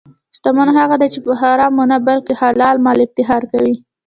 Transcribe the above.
شتمن هغه دی چې په حرامو نه، بلکې حلال مال افتخار کوي.